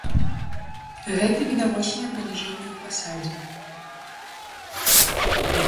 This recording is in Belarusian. Гэта відавочнае паніжэнне ў пасадзе.